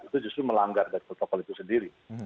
itu justru melanggar dari protokol itu sendiri